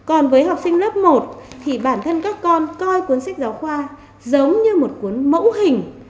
còn với học sinh lớp một thì bản thân các con coi cuốn sách giáo khoa giống như một cuốn mẫu hình